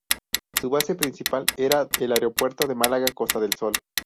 Su base principal era el Aeropuerto de Málaga-Costa del Sol.